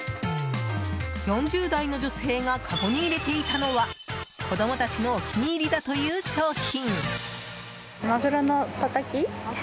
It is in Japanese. ４０代の女性がかごに入れていたのは子供たちのお気に入りだという商品。